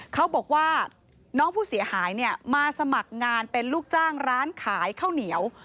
เขาบอกว่าน้องผู้เสียหายเนี่ยมาสมัครงานเป็นลูกจ้างร้านขายข้าวเหนียว